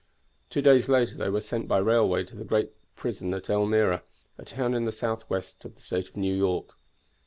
Two days later they were sent by railway to the great prison at Elmira, a town in the southwest of the State of New York.